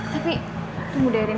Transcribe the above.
tapi tunggu deh rim